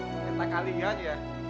ternyata kalian ya